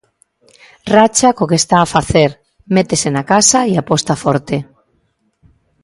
Racha co que está a facer, métese na casa e aposta forte.